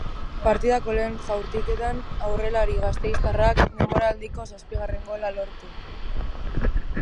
Partidako lehen jaurtiketan, aurrelari gasteiztarrak denboraldiko zazpigarren gola lortu.